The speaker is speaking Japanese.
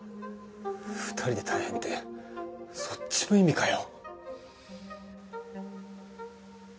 ２人で大変ってそっちの意味かよ。